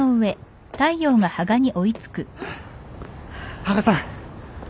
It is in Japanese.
羽賀さん